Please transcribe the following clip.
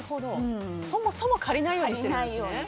そもそも借りないようにしてるんですね。